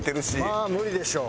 まあ無理でしょう。